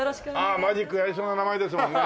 ああマジックやりそうな名前ですもんね。